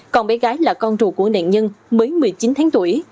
còn bé gái là con rùa của nạn nhân mới một mươi chín tháng tuổi